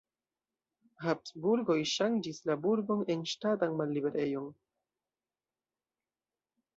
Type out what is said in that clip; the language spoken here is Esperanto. Habsburgoj ŝanĝis la burgon en ŝtatan malliberejon.